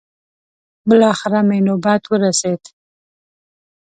بلاخره مې نوبت ورسېد.